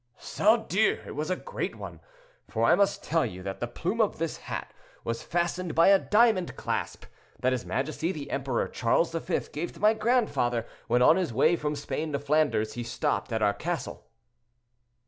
"Saudioux! it was a great one, for I must tell you that the plume of this hat was fastened by a diamond clasp, that his majesty the emperor Charles V. gave to my grandfather, when, on his way from Spain to Flanders, he stopped at our castle."